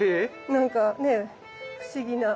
なんかね不思議な。